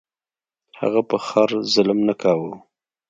هغه په خر ظلم نه کاوه.